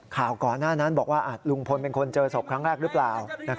ก่อนหน้านั้นบอกว่าลุงพลเป็นคนเจอศพครั้งแรกหรือเปล่า